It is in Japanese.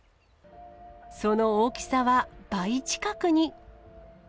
その大きさは倍近くに。